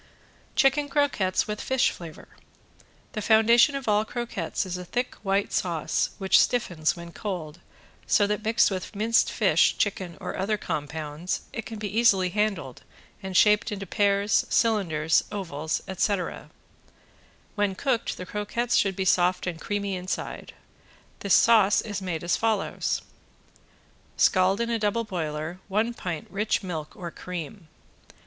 ~CHICKEN CROQUETTES WITH FISH FLAVOR~ The foundation of all croquettes is a thick white sauce which stiffens when cold, so that mixed with minced fish, chicken or other compounds it can be easily handled and shaped into pears, cylinders, ovals, etc. When cooked the croquettes should be soft and creamy inside. This sauce is made as follows: Scald in a double boiler one pint rich milk or cream.